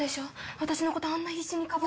私のことあんな必死にかばった。